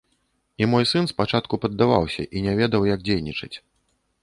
І мой сын спачатку паддаваўся і не ведаў, як дзейнічаць.